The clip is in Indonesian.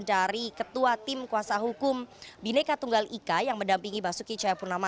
dari ketua tim kuasa hukum bineka tunggal ika yang mendampingi basuki cahayapurnama